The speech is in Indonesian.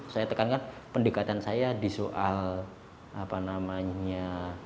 saya tekankan pendekatan saya di soal apa namanya